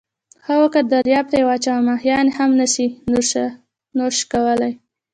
ښه وکړه درياب ته یې واچوه، ماهيان يې هم نسي نوش کولای.